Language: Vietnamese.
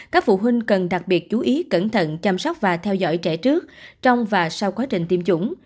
các phụ huynh cần đặc biệt chú ý cẩn thận chăm sóc và theo dõi trẻ trước trong và sau quá trình tiêm chủng